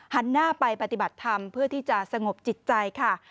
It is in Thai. หันหน้าไปปฏิบัติธรรมเพื่อที่จะสงบจิตใจค่ะ